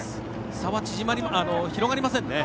差は広がりませんね。